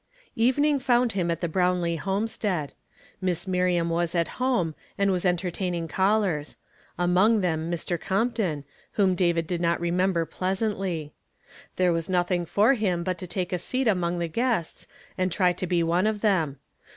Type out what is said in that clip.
Evening found him at the Brownlee homestead. Miss Miriam was at liome. and was entertaining callers ; among them Mr. Compton, whom David 246 YESTKIIDAY FRAMED IN TO DAY. ifi did not remember pleasantly. There was nothiiiij for him but to take a seat among the guests, and try to be one of them.